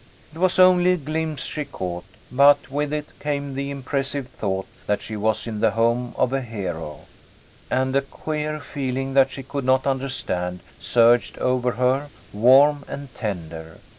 It was only a glimpse she caught, but with it came the impressive thought that she was hi the home of a hero ; and a queer feeling, that she could not understand, surged over her, warm and tender.